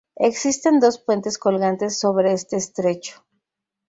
Existen dos puentes colgantes sobre este estrecho.